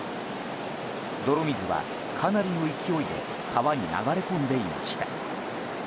泥水は、かなりの勢いで川に流れ込んでいました。